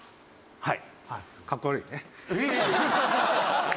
はい。